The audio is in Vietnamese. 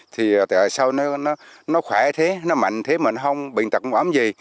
thì tại sao nó khỏe thế nó mạnh thế mà nó không bệnh tật không ấm gì